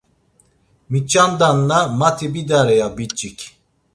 Miç̌andanna mati bidare ya biç̌ik.